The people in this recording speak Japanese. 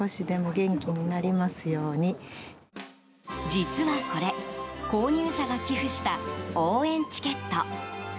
実はこれ購入者が寄付した応援チケット。